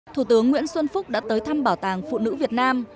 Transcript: thủ tướng nguyễn xuân phúc đã tới thăm bảo tàng phụ nữ việt nam